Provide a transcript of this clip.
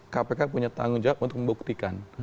kpk punya tanggung jawab untuk membuktikan